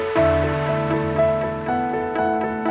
demamnya gak parah